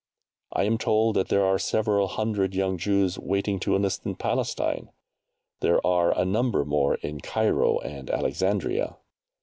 I am told that there are several hundred young Jews waiting to enlist in Palestine. There are a number more in Cairo and Alexandria.